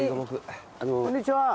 こんにちは。